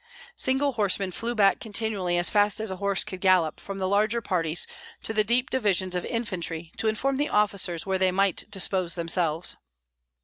Single horsemen flew back continually as fast as a horse could gallop from the larger parties to the deep divisions of infantry to inform the officers where they might dispose themselves.